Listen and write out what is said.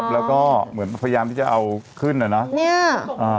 แล้วก็เหมือนพยายามที่จะเอาขึ้นเนอะ